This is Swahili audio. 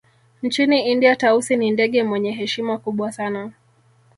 Nchini India Tausi ni ndege mwenye heshima kubwa sana